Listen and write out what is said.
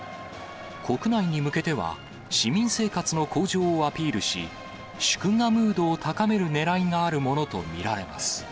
国内に向けては、市民生活の向上をアピールし、祝賀ムードを高めるねらいがあるものと見られます。